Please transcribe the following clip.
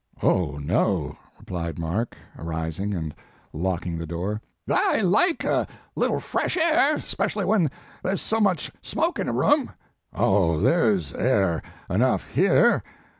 "Oh, no," replied Mark, arising and locking the door. "I like a little fresh a r, specially when thar s so much smoke in a room." "Oh, there s air enough here.